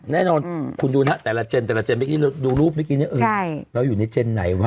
แน่นอนคุณดูนะแต่ละเจนแต่ละเจนดูรูปนี้เราอยู่ในเจนไหนวะ